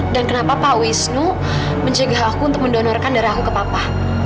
dan kenapa pak wisnu menjaga aku untuk mendonorkan darahku ke papa